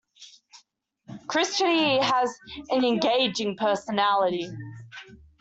Christy has an engaging personality.